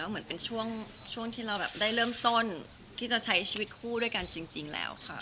เหมือนเป็นช่วงที่เราแบบได้เริ่มต้นที่จะใช้ชีวิตคู่ด้วยกันจริงแล้วค่ะ